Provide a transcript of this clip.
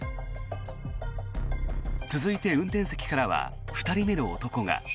続いて、運転席からは２人目の男が。